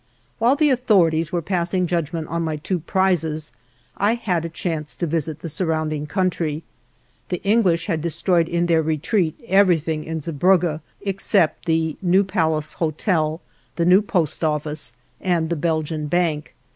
While the authorities were passing judgment on my two prizes I had a chance to visit the surrounding country. The English had destroyed in their retreat everything in Zeebrugge, except the new Palace Hotel, the new Post Office, and the Belgian Bank.